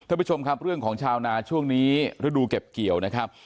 ท่านผู้ชมครับเรื่องของชาวนาช่วงนี้ฤดูเก็บเกี่ยวนะครับ